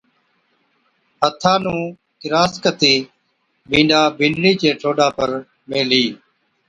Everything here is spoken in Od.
ھٿان نُون ڪِراس ڪتِي بِينڏا بِينڏڙِي چي ٺوڏا پر ميلھِي